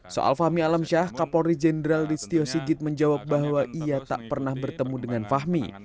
soal fahmi alam syah kapolri jenderal listio sigit menjawab bahwa ia tak pernah bertemu dengan fahmi